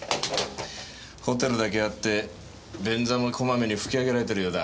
ホテルだけあって便座もこまめに拭きあげられてるようだ。